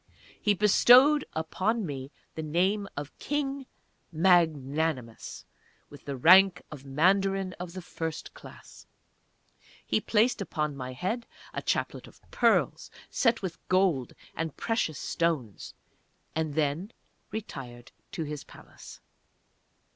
He bestowed on me the name of "King Magnanimous" with the rank of Mandarin of the First Class. He placed upon my head a chaplet of pearls set with gold and precious stones, and then retired to his Palace.